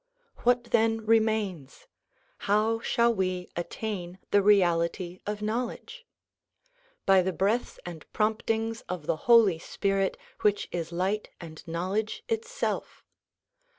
What then re mains? How shall we attain the reality of knowledge? By the breaths and promptings of the Holy Spirit which is light and knowledge Itself.